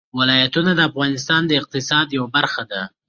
ولایتونه د افغانستان د اقتصاد یوه برخه ده.